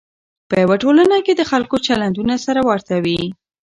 په یوه ټولنه کې د خلکو چلندونه سره ورته وي.